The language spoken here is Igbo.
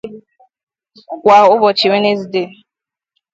kwa ụbọchị Wenezdee